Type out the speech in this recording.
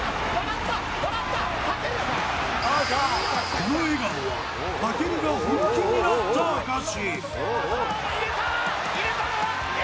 この笑顔は武尊が本気になった証し。